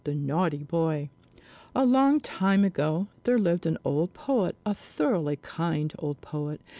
THE NAUGHTY BOY Along time ago, there lived an old poet, a thoroughly kind old poet.